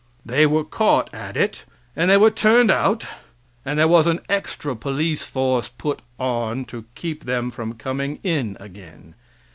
They were caught at it, and they were turned out, and there was an extra police force put on to keep them from coming in again.